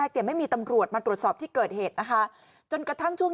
อ้อฟ้าอ้อฟ้าอ้อฟ้าอ้อฟ้า